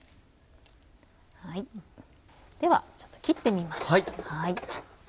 ではちょっと切ってみましょう。